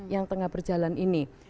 yang tengah berjalan ini